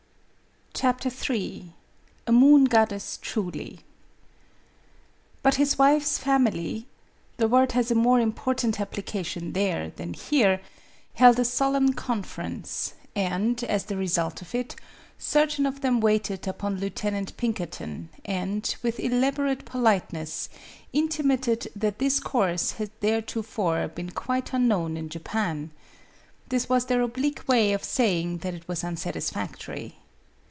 MADAME BUTTERFLY 9 III A MOON GODDESS TRULY BUT his wife's family (the word has a more important application there than here) held a solemn conference, and, as the result of it, certain of them waited upon Lieutenant Pin kerton, and, with elaborate politeness, inti mated that his course had theretofore been quite unknown in Japan. This was their oblique way of saying that it was unsatis factory.